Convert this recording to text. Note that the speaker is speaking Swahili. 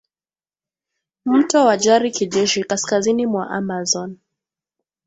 mto wa Jari kijeshi kaskazini mwa Amazon